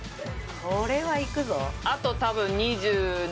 これはいくぞ。